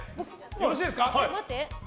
よろしいですか？